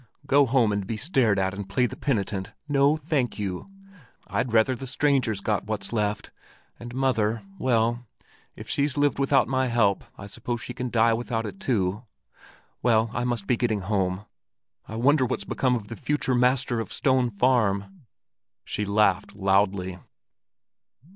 Go home and be stared at and play the penitent—no, thank you! I'd rather the strangers got what's left. And mother— well, if she's lived without my help, I suppose she can die without it too. Well, I must be getting home. I wonder what's become of the future master of Stone Farm?" She laughed loudly.